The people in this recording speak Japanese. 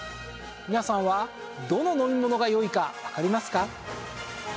皆さんはどの飲み物が良いかわかりますか？